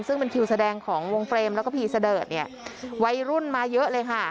ซึ่งเป็นคิวแสดงของวงเฟรมแล้วก็พีเสดิร์ดเนี่ยวัยรุ่นมาเยอะเลยค่ะ